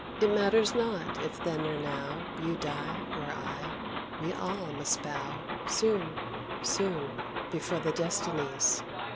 It matters not if then or now You die or I; we all must bow, Soon, soon, before the destinies.